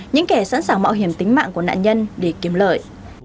những kẻ sẵn sàng mạo hiểm tính mạng của nạn nhân để kiếm lợi